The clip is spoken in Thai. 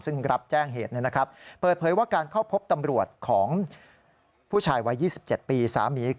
ซึ่งรับแจ้งเหตุเปิดเผยว่าการเข้าพบตำรวจของผู้ชายวัย๒๗ปีสามี